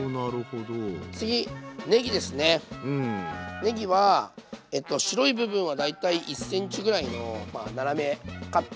ねぎは白い部分は大体１ｃｍぐらいの斜めカット。